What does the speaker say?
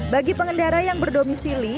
bagi pengendara yang berdomisili